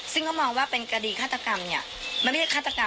ซึ่งเขามองว่าเป็นคดีฆาตกรรมเนี่ยมันไม่ใช่ฆาตกรรม